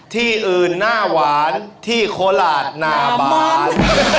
ที่อื่นน่าหวานที่คัทค่าหลาน่าหวาน